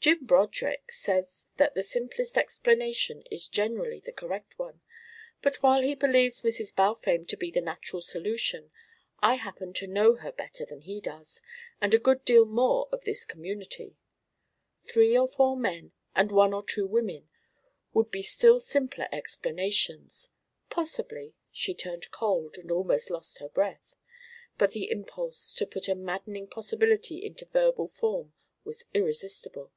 Jim Broderick says that the simplest explanation is generally the correct one, but while he believes Mrs. Balfame to be the natural solution, I happen to know her better than he does, and a good deal more of this community. Three or four men and one or two women would be still simpler explanations. Possibly " She turned cold and almost lost her breath, but the impulse to put a maddening possibility into verbal form was irresistible.